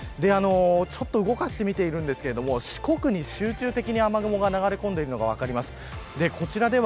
ちょっと動かして見ているんですが四国に集中的に雨雲が流れ込んでいる様子が分かります。